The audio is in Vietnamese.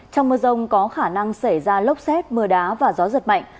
trong mưa rông có khả năng xảy ra lốc xét mưa đá và gió giật mạnh